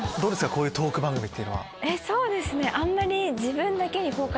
こういうトーク番組っていうのは。